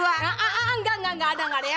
enggak enggak enggak enggak ada ya